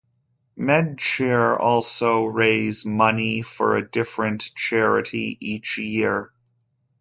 MedChir also raise money for a different charity each year.